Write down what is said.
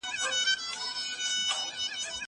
سینه سپين د کتابتوننۍ له خوا کيږي!!